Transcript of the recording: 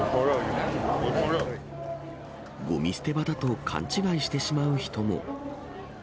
ごみ捨て場だと勘違いしてしまう人も。